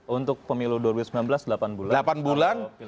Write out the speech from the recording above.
untuk pemilu dua ribu sembilan belas delapan bulan